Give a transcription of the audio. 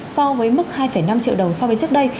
so với mức hai năm triệu đồng so với trước đây